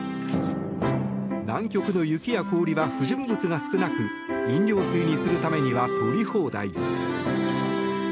南極の雪や氷は不純物が少なく飲料水にするためにはとり放題。